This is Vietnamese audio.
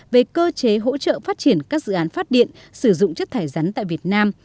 về cơ chế hỗ trợ phát triển các dự án phát điện sử dụng chất thải rắn tại việt nam